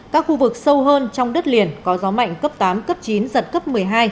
các khu vực sâu hơn trong đất liền có gió mạnh cấp tám cấp chín giật cấp một mươi hai